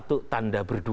itu kalau berarti